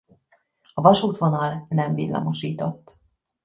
A vasútvonal nem villamosított.